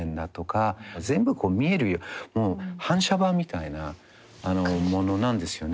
もう反射板みたいなものなんですよね。